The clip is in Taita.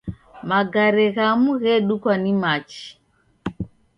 Magare ghamu ghedukwa ni machi.